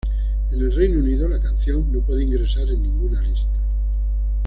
En el Reino Unido, la canción no puedo ingresar en ninguna lista.